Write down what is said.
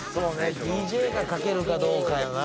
「ＤＪ」が描けるかどうかよな。